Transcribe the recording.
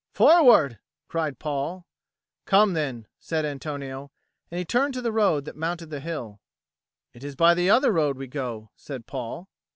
"Forward!" cried Paul. "Come, then," said Antonio, and he turned to the road that mounted the hill. "It is by the other road we go," said Paul.